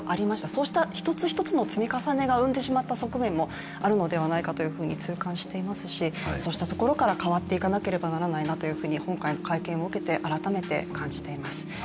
そうした一つ一つの積み重ねが生んでしまった側面もあったのではないかということも痛感しておりますしそうしたところから変わっていかなければならないなと今回の会見を受けて改めて感じています。